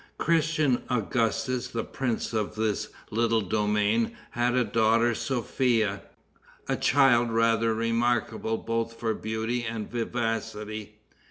Christian Augustus, the prince of this little domain, had a daughter, Sophia, a child rather remarkable both for beauty and vivacity.